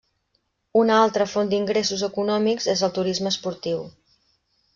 Una altra font d'ingressos econòmics és el turisme esportiu.